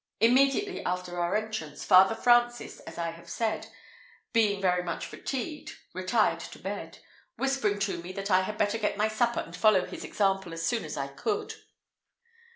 Immediately after our entrance, Father Francis, as I have said, being very much fatigued, retired to bed, whispering to me that I had better get my supper and follow his example as soon as I could.